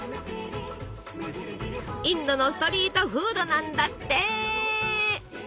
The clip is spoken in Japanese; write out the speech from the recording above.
インドのストリートフードなんだって！